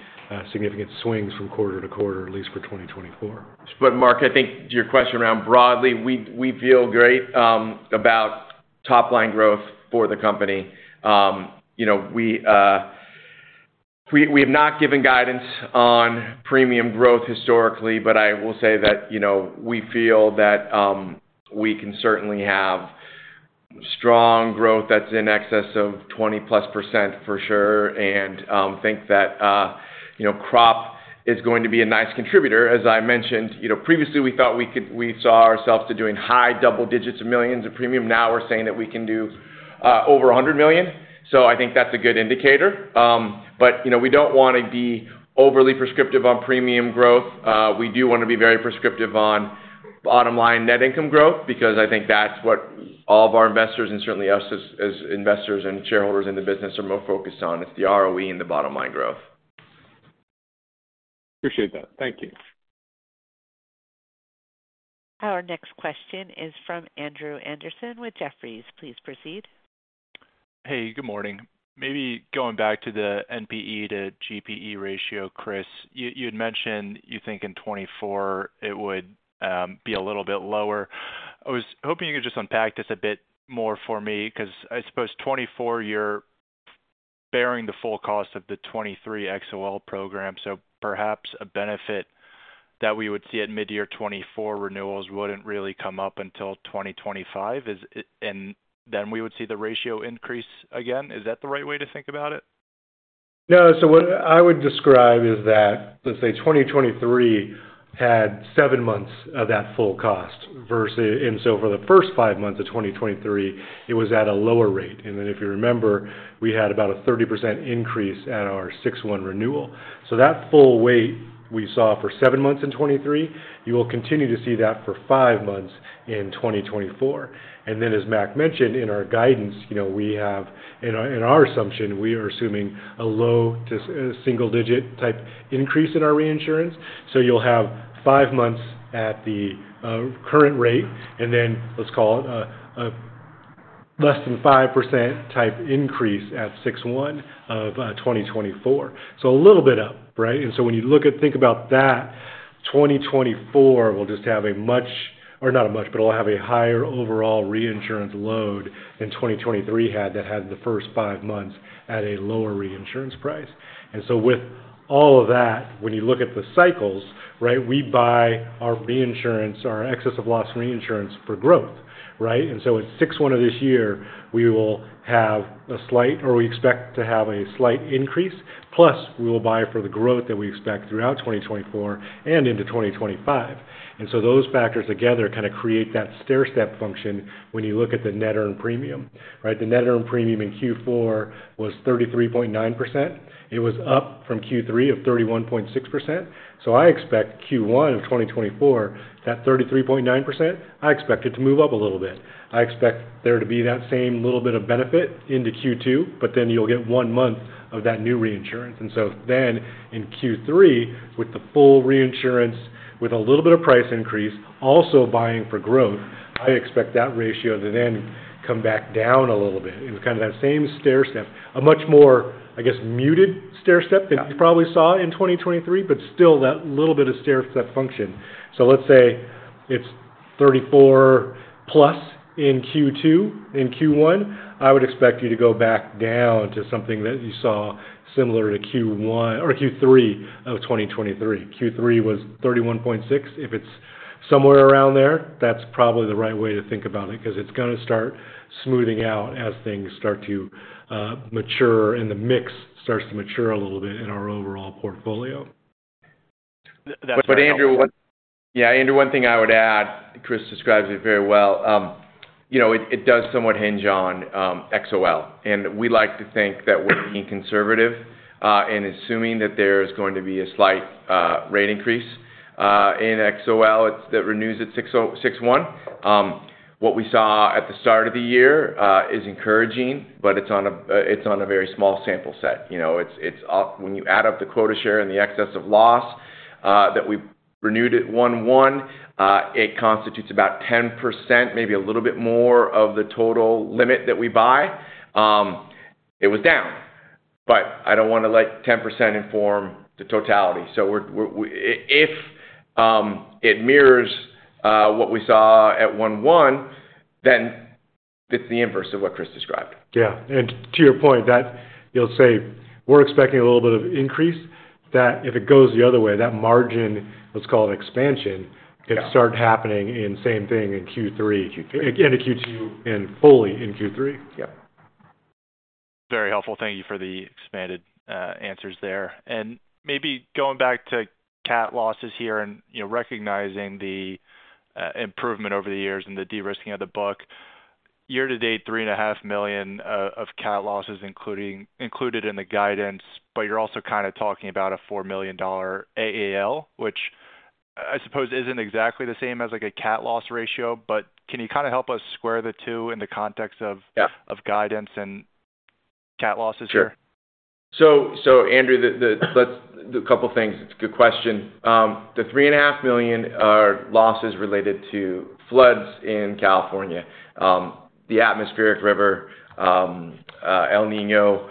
significant swings from quarter-to-quarter, at least for 2024. But, Mark, I think your question around broadly, we feel great about top-line growth for the company. We have not given guidance on premium growth historically. But I will say that we feel that we can certainly have strong growth that's in excess of 20%+ for sure and think that crop is going to be a nice contributor. As I mentioned, previously, we thought we saw ourselves doing high double-digits of millions of premium. Now we're saying that we can do over $100 million. So I think that's a good indicator. But we don't want to be overly prescriptive on premium growth. We do want to be very prescriptive on bottom-line net income growth because I think that's what all of our investors and certainly us as investors and shareholders in the business are more focused on. It's the ROE and the bottom-line growth. Appreciate that. Thank you. Our next question is from Andrew Andersen with Jefferies. Please proceed. Hey, good morning. Maybe going back to the NPE to GPE ratio, Chris, you had mentioned you think in 2024 it would be a little bit lower. I was hoping you could just unpack this a bit more for me because I suppose 2024, you're bearing the full cost of the 2023 XOL program. So perhaps a benefit that we would see at mid-year 2024 renewals wouldn't really come up until 2025. And then we would see the ratio increase again. Is that the right way to think about it? No, so what I would describe is that, let's say, 2023 had 7 months of that full cost versus and so for the first 5 months of 2023, it was at a lower rate. And then if you remember, we had about a 30% increase at our January 1 renewal. So that full weight we saw for 7 months in 2023, you will continue to see that for 5 months in 2024. And then, as Mac mentioned, in our guidance, we have in our assumption, we are assuming a low to single-digit type increase in our reinsurance. So you'll have 5 months at the current rate and then, let's call it, a less than 5% type increase at Januray 1 of 2024. So a little bit up, right? And so when you look at, think about that, 2024 will just have a much or not a much, but it'll have a higher overall reinsurance load than 2023 had that had the first five months at a lower reinsurance price. And so with all of that, when you look at the cycles, right, we buy our reinsurance, our excess of loss reinsurance for growth, right? And so at June 1 of this year, we will have a slight or we expect to have a slight increase. Plus, we will buy for the growth that we expect throughout 2024 and into 2025. And so those factors together kind of create that stair-step function when you look at the net earned premium, right? The net earned premium in Q4 was 33.9%. It was up from Q3 of 31.6%. So I expect Q1 of 2024, that 33.9%, I expect it to move up a little bit. I expect there to be that same little bit of benefit into Q2, but then you'll get one month of that new reinsurance. And so then in Q3, with the full reinsurance, with a little bit of price increase, also buying for growth, I expect that ratio to then come back down a little bit. It was kind of that same stair-step, a much more, I guess, muted stair-step than you probably saw in 2023, but still that little bit of stair-step function. So let's say it's 34+ in Q2, in Q1, I would expect you to go back down to something that you saw similar to Q1 or Q3 of 2023. Q3 was 31.6%. If it's somewhere around there, that's probably the right way to think about it because it's going to start smoothing out as things start to mature and the mix starts to mature a little bit in our overall portfolio. But, yeah, Andrew, one thing I would add, Chris describes it very well. It does somewhat hinge on XOL. And we like to think that we're being conservative in assuming that there's going to be a slight rate increase in XOL that renews at June 1. What we saw at the start of the year is encouraging, but it's on a very small sample set. When you add up the quota share and the excess of loss that we renewed at January 1, it constitutes about 10%, maybe a little bit more of the total limit that we buy. It was down. But I don't want to let 10% inform the totality. So if it mirrors what we saw at January 1, then it's the inverse of what Chris described. Yeah. And to your point, that you'll say we're expecting a little bit of increase, that if it goes the other way, that margin, let's call it expansion, could start happening in same thing in Q3 and in Q2 and fully in Q3. Yep. Very helpful. Thank you for the expanded answers there. Maybe going back to CAT losses here and recognizing the improvement over the years and the de-risking of the book, year to date, $3.5 million of CAT losses included in the guidance, but you're also kind of talking about a $4 million AAL, which I suppose isn't exactly the same as a CAT loss ratio. But can you kind of help us square the two in the context of guidance and CAT losses here? Sure. So, Andrew, a couple of things. It's a good question. The $3.5 million are losses related to floods in California, the atmospheric river El Niño,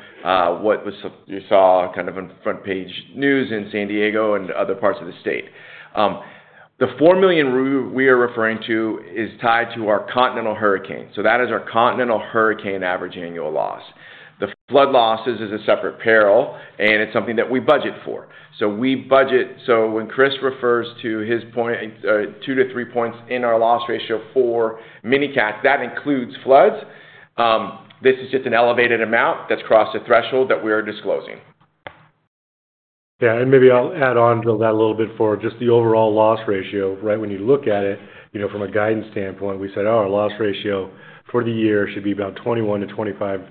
what you saw kind of on front-page news in San Diego and other parts of the state. The $4 million we are referring to is tied to our continental hurricane. So that is our continental hurricane average annual loss. The flood losses is a separate peril, and it's something that we budget for. So when Chris refers to his 2-3 points in our loss ratio for mini-CATs, that includes floods. This is just an elevated amount that's crossed a threshold that we are disclosing. Yeah, and maybe I'll add on to that a little bit for just the overall loss ratio, right? When you look at it, from a guidance standpoint, we said, "Oh, our loss ratio for the year should be about 21%-25%."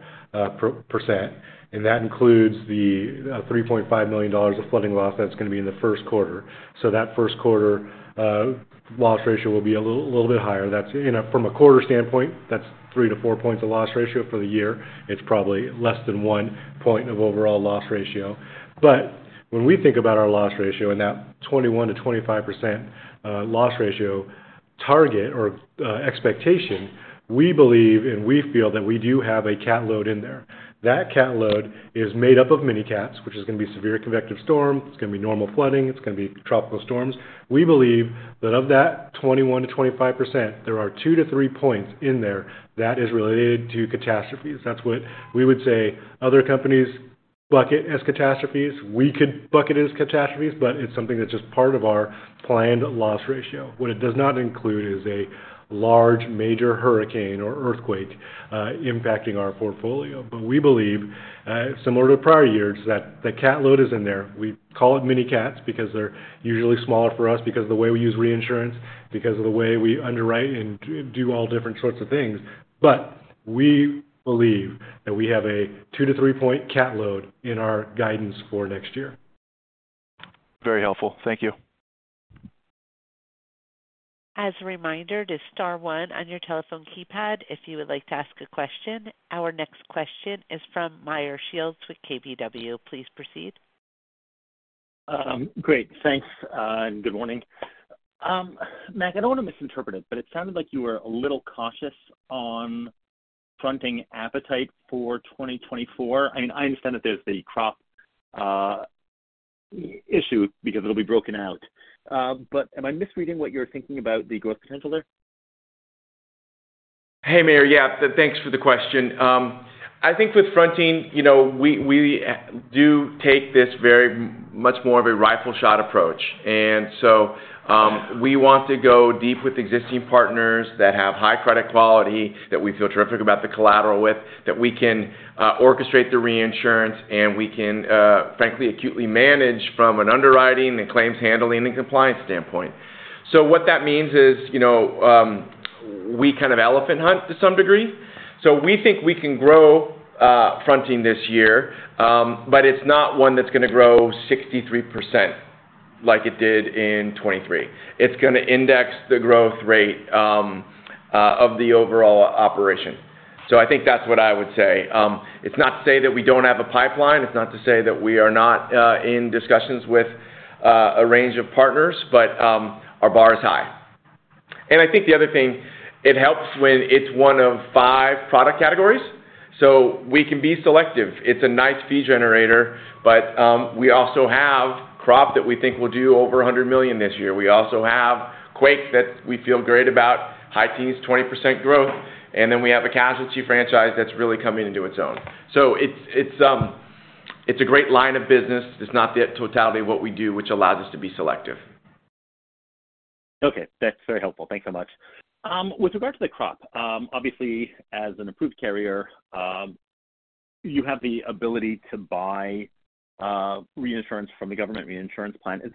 And that includes the $3.5 million of flooding loss that's going to be in the first quarter. So that first quarter loss ratio will be a little bit higher. From a quarter standpoint, that's 3-4 points of loss ratio for the year. It's probably less than 1 point of overall loss ratio. But when we think about our loss ratio and that 21%-25% loss ratio target or expectation, we believe and we feel that we do have a CAT load in there. That CAT load is made up of Mini-CATs, which is going to be severe convective storm. It's going to be normal flooding. It's going to be tropical storms. We believe that of that 21%-25%, there are 2-3 points in there that is related to catastrophes. That's what we would say other companies bucket as catastrophes. We could bucket it as catastrophes, but it's something that's just part of our planned loss ratio. What it does not include is a large major hurricane or earthquake impacting our portfolio. But we believe, similar to prior years, that the CAT load is in there. We call it mini-CATs because they're usually smaller for us because of the way we use reinsurance, because of the way we underwrite and do all different sorts of things. But we believe that we have a 2-3-points CAT load in our guidance for next year. Very helpful. Thank you. As a reminder, there's star one on your telephone keypad if you would like to ask a question. Our next question is from Meyer Shields with KBW. Please proceed. Great. Thanks and good morning. Mac, I don't want to misinterpret it, but it sounded like you were a little cautious on fronting appetite for 2024. I mean, I understand that there's the crop issue because it'll be broken out. But am I misreading what you're thinking about the growth potential there? Hey, Meyer. Yeah, thanks for the question. I think with fronting, we do take this very much more of a rifle shot approach. And so we want to go deep with existing partners that have high credit quality that we feel terrific about the collateral with, that we can orchestrate the reinsurance, and we can, frankly, acutely manage from an underwriting and claims handling and compliance standpoint. So what that means is we kind of elephant hunt to some degree. So we think we can grow fronting this year, but it's not one that's going to grow 63% like it did in 2023. It's going to index the growth rate of the overall operation. So I think that's what I would say. It's not to say that we don't have a pipeline. It's not to say that we are not in discussions with a range of partners, but our bar is high. And I think the other thing, it helps when it's one of five product categories. So we can be selective. It's a nice fee generator, but we also have crop that we think will do over $100 million this year. We also have quake that we feel great about, high teens, 20% growth. And then we have a casualty franchise that's really coming into its own. So it's a great line of business. It's not the totality of what we do, which allows us to be selective. Okay. That's very helpful. Thanks so much. With regard to the crop, obviously, as an approved carrier, you have the ability to buy reinsurance from the government reinsurance plan. Does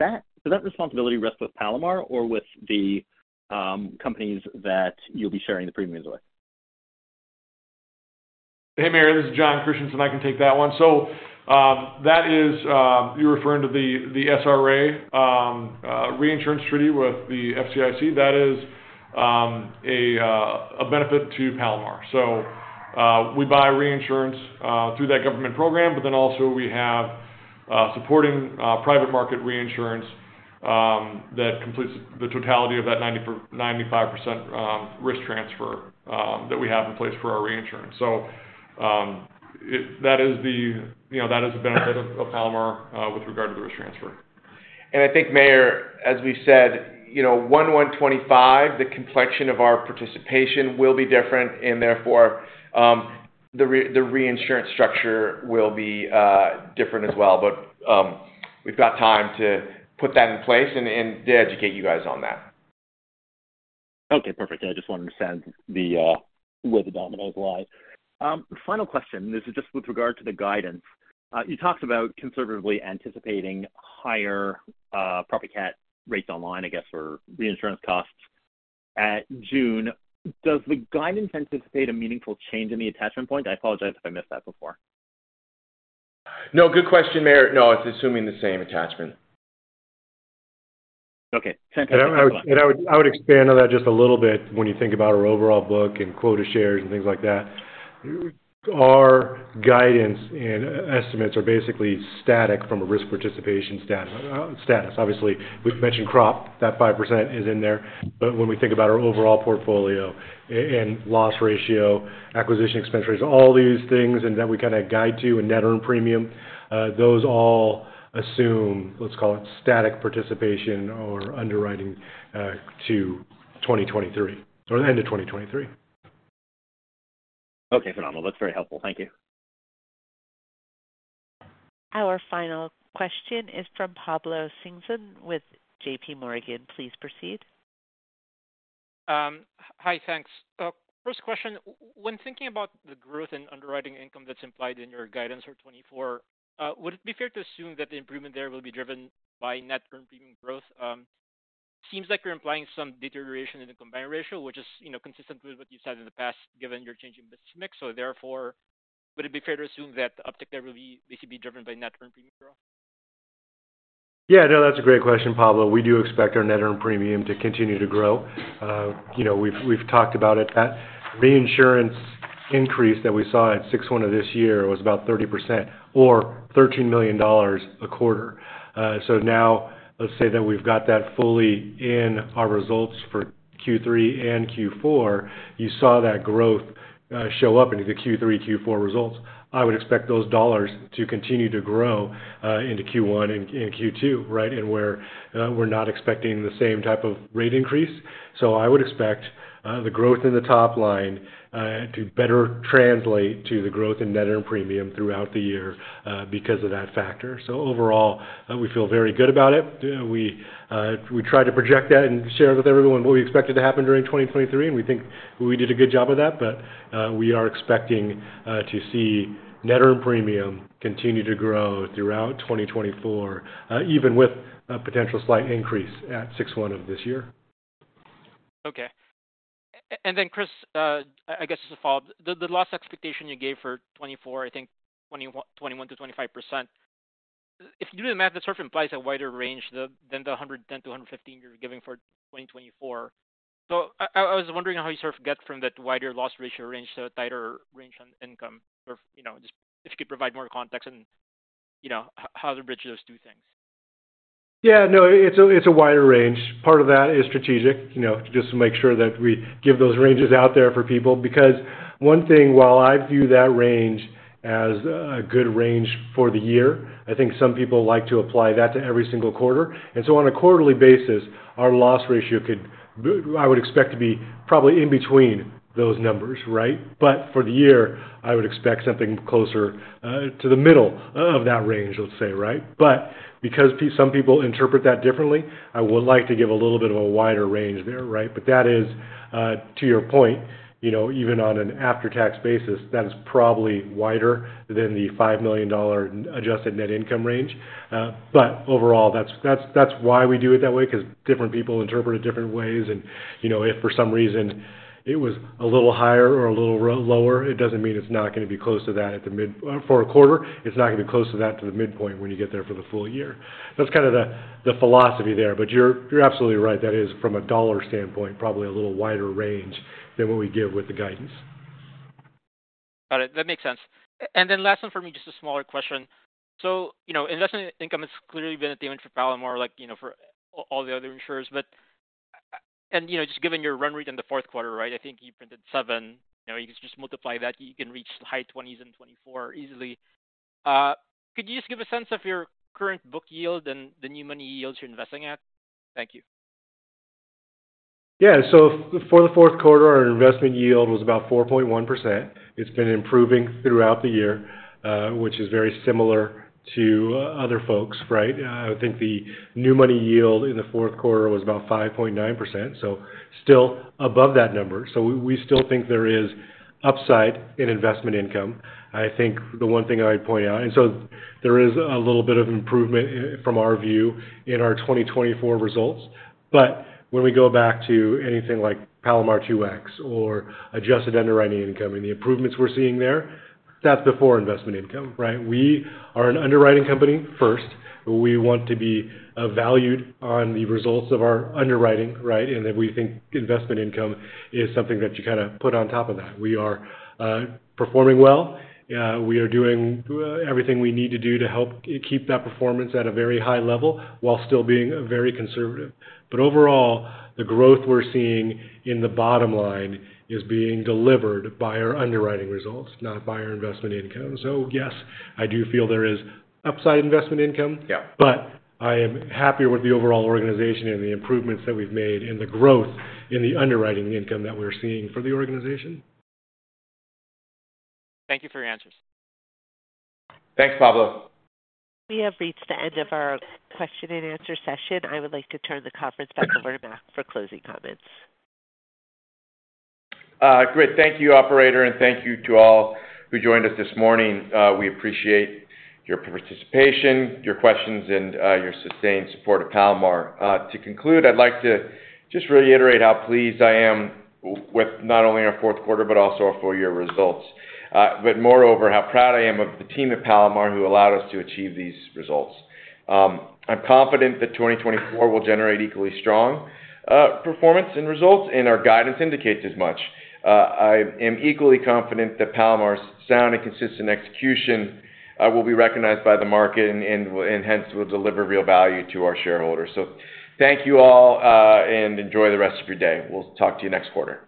that responsibility rest with Palomar or with the companies that you'll be sharing the premiums with? Hey, Meyer. This is Jon Christianson. I can take that one. So you're referring to the SRA, reinsurance treaty with the FCIC. That is a benefit to Palomar. So we buy reinsurance through that government program, but then also we have supporting private market reinsurance that completes the totality of that 95% risk transfer that we have in place for our reinsurance. So that is the benefit of Palomar with regard to the risk transfer. I think, Meyer, as we said, January 1, 2025, the complexion of our participation will be different, and therefore, the reinsurance structure will be different as well. But we've got time to put that in place and to educate you guys on that. Okay. Perfect. Yeah, I just wanted to see where the dominoes lie. Final question. This is just with regard to the guidance. You talked about conservatively anticipating higher property CAT rates on line, I guess, or reinsurance costs at June. Does the guidance anticipate a meaningful change in the attachment point? I apologize if I missed that before. No, good question, Meyer. No, it's assuming the same attachment. Okay. Fantastic. I would expand on that just a little bit when you think about our overall book and quota shares and things like that. Our guidance and estimates are basically static from a risk participation status. Obviously, we've mentioned crop, that 5% is in there. But when we think about our overall portfolio and loss ratio, acquisition expense rates, all these things that we kind of guide to and net earned premium, those all assume, let's call it, static participation or underwriting to 2023 or the end of 2023. Okay. Phenomenal. That's very helpful. Thank you. Our final question is from Pablo Singzon with JPMorgan. Please proceed. Hi. Thanks. First question, when thinking about the growth and underwriting income that's implied in your guidance for 2024, would it be fair to assume that the improvement there will be driven by net earned premium growth? Seems like you're implying some deterioration in the combined ratio, which is consistent with what you've said in the past given your changing business mix. So therefore, would it be fair to assume that the uptick there will basically be driven by net earned premium growth? Yeah. No, that's a great question, Pablo. We do expect our net earned premium to continue to grow. We've talked about it. That reinsurance increase that we saw at June 1 of this year was about 30% or $13 million a quarter. So now, let's say that we've got that fully in our results for Q3 and Q4. You saw that growth show up into the Q3, Q4 results. I would expect those dollars to continue to grow into Q1 and Q2, right, and where we're not expecting the same type of rate increase. So I would expect the growth in the top line to better translate to the growth in net earned premium throughout the year because of that factor. So overall, we feel very good about it. We tried to project that and share with everyone what we expected to happen during 2023, and we think we did a good job of that. But we are expecting to see net earned premium continue to grow throughout 2024, even with a potential slight increase at 61% of this year. Okay. Then, Chris, I guess just a follow-up. The loss expectation you gave for 2024, I think 21%-25%, if you do the math, it sort of implies a wider range than the 110-115 you're giving for 2024. So I was wondering how you sort of get from that wider loss ratio range to a tighter range on income or just if you could provide more context and how to bridge those two things. Yeah. No, it's a wider range. Part of that is strategic just to make sure that we give those ranges out there for people. Because one thing, while I view that range as a good range for the year, I think some people like to apply that to every single quarter. And so on a quarterly basis, our loss ratio could, I would expect, to be probably in between those numbers, right? But for the year, I would expect something closer to the middle of that range, let's say, right? But because some people interpret that differently, I would like to give a little bit of a wider range there, right? But that is, to your point, even on an after-tax basis, that is probably wider than the $5 million Adjusted Net Income range. But overall, that's why we do it that way because different people interpret it different ways. If for some reason it was a little higher or a little lower, it doesn't mean it's not going to be close to that at the mid for a quarter. It's not going to be close to that, to the midpoint when you get there for the full year. That's kind of the philosophy there. But you're absolutely right. That is, from a dollar standpoint, probably a little wider range than what we give with the guidance. Got it. That makes sense. And then last one from me, just a smaller question. So investment income has clearly been a theme for Palomar like for all the other insurers. And just given your run rate in the fourth quarter, right, I think you printed $7. You can just multiply that. You can reach the high 20s in 2024 easily. Could you just give a sense of your current book yield and the new money yields you're investing at? Thank you. Yeah. So for the fourth quarter, our investment yield was about 4.1%. It's been improving throughout the year, which is very similar to other folks, right? I think the new money yield in the fourth quarter was about 5.9%, so still above that number. So we still think there is upside in investment income. I think the one thing I would point out and so there is a little bit of improvement from our view in our 2024 results. But when we go back to anything like Palomar 2X or Adjusted Underwriting Income and the improvements we're seeing there, that's before investment income, right? We are an underwriting company first. We want to be valued on the results of our underwriting, right? And then we think investment income is something that you kind of put on top of that. We are performing well. We are doing everything we need to do to help keep that performance at a very high level while still being very conservative. But overall, the growth we're seeing in the bottom line is being delivered by our underwriting results, not by our investment income. So yes, I do feel there is upside investment income, but I am happier with the overall organization and the improvements that we've made in the growth in the underwriting income that we're seeing for the organization. Thank you for your answers. Thanks, Pablo. We have reached the end of our question and answer session. I would like to turn the conference back over to Mac for closing comments. Great. Thank you, operator, and thank you to all who joined us this morning. We appreciate your participation, your questions, and your sustained support of Palomar. To conclude, I'd like to just reiterate how pleased I am with not only our fourth quarter but also our full-year results, but moreover, how proud I am of the team at Palomar who allowed us to achieve these results. I'm confident that 2024 will generate equally strong performance and results, and our guidance indicates as much. I am equally confident that Palomar's sound and consistent execution will be recognized by the market and hence will deliver real value to our shareholders. Thank you all and enjoy the rest of your day. We'll talk to you next quarter.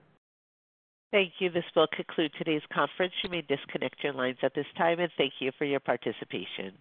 Thank you. This will conclude today's conference. You may disconnect your lines at this time, and thank you for your participation.